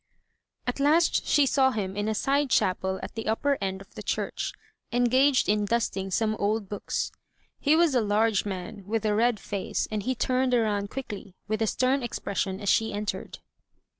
At last she saw him in a side chapel at the upper end of the church, engaged in dusting some old books. He was a large man, with a red face, and he turned around quickly, with a stem expression, as she entered.